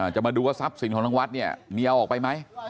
จะมาดูว่าทรัพย์สินของทางวัดเนี่ยมีเอาออกไปไหม